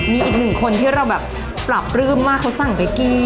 มีอีกหนึ่งคนที่เราแบบปรับฮึ้มมาเค้าสั่งไปกิน